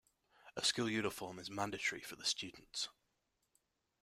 A school uniform is mandatory for the students.